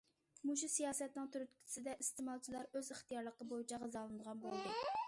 مۇشۇ سىياسەتنىڭ تۈرتكىسىدە، ئىستېمالچىلار ئۆز ئىختىيارلىقى بويىچە غىزالىنىدىغان بولدى.